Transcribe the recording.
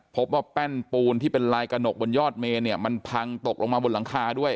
พบว่าแป้นปูนที่เป็นลายกระหนกบนยอดเมนเนี่ยมันพังตกลงมาบนหลังคาด้วย